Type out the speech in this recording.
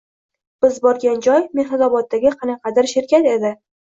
Biz borgan joy Mehnatoboddagi qanaqadir shirkat edi.